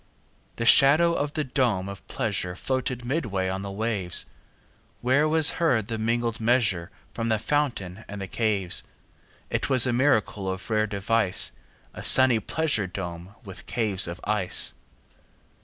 30 The shadow of the dome of pleasure Floated midway on the waves; Where was heard the mingled measure From the fountain and the caves. It was a miracle of rare device, 35 A sunny pleasure dome with caves of ice!